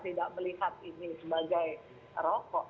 tidak melihat ini sebagai rokok